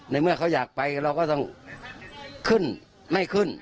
เมื่อเขาอยากไปเราก็ต้องขึ้นไม่ขึ้น